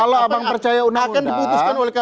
kalau abang percaya undang undang